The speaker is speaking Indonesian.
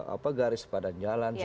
apa garis pada jalan